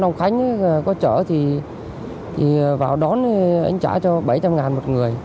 nói với ông khánh có chở thì vào đón anh trả cho bảy trăm linh một người